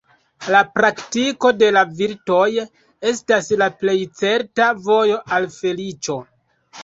La praktiko de la virtoj estas la plej certa vojo al feliĉo.